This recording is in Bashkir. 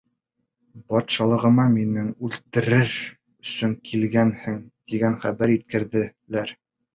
— Батшалығыма мине үлтерер өсөн килгәнһең, тигән хәбәр еткерҙеләр.